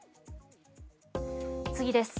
次です。